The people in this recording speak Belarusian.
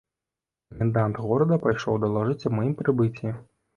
Камендант горада пайшоў далажыць аб маім прыбыцці.